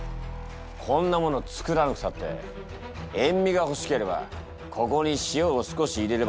こんなもの作らなくたって塩味がほしければここに塩を少し入れればすむことだ。